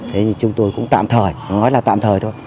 thế thì chúng tôi cũng tạm thời nói là tạm thời thôi